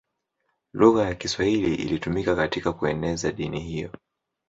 Lugha ya Kiswahili ilitumika katika kueneza dini hiyo.